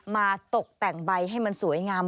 ตกแต่งใบให้มันสวยงาม